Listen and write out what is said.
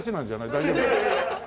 大丈夫？